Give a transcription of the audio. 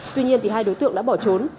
tuy nhiên thì hai đối tượng đã bỏ trốn